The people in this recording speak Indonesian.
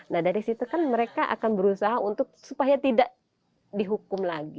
nah dari situ kan mereka akan berusaha untuk supaya tidak dihukum lagi